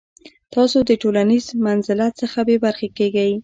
تاسو د ټولنیز منزلت څخه بې برخې کیږئ.